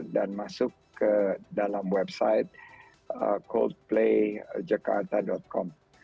dan masuk ke dalam website coldplayjakarta com